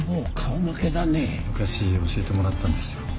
昔教えてもらったんですよ